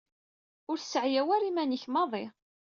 Ur sseɛyaw ara iman-ik maḍi.